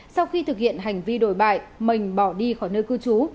sau khi thực hiện hành vi đổi bại mình bỏ đi khỏi nơi cư trú